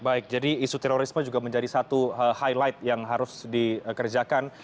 baik jadi isu terorisme juga menjadi satu highlight yang harus dikerjakan